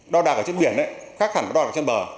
đo đạc ở trên biển khác hẳn với đo đạc ở trên bờ